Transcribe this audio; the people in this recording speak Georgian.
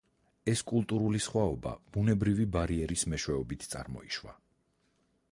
ეს კულტურული სხვაობა ბუნებრივი ბარიერის მეშვეობით წარმოიშვა.